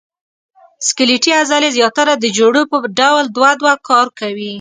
سکلیټي عضلې زیاتره د جوړو په ډول دوه دوه کار کوي.